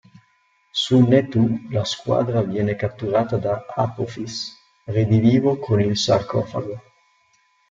Su Ne'tu la squadra viene catturata da Apophis, redivivo con il sarcofago.